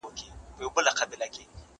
زه به مکتب ته تللي وي،